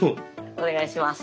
お願いします。